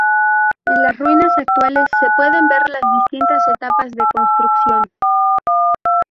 En las ruinas actuales se pueden ver las distintas etapas de construcción.